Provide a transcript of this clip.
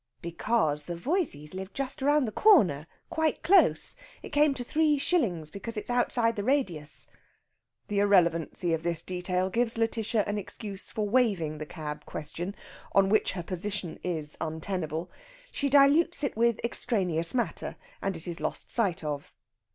"Because the Voyseys live just round the corner, quite close. It came to three shillings because it's outside the radius." The irrelevancy of this detail gives Lætitia an excuse for waiving the cab question, on which her position is untenable. She dilutes it with extraneous matter, and it is lost sight of.